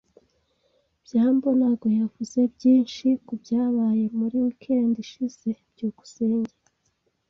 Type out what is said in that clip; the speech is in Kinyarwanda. byambo ntabwo yavuze byinshi kubyabaye muri weekend ishize. byukusenge